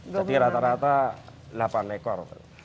jadi rata rata delapan ekor